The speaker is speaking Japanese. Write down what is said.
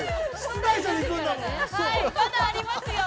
◆まだありますよ。